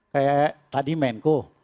kayak tadi menko